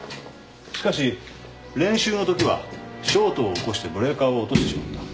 しかし練習のときはショートを起こしてブレーカーを落としてしまった。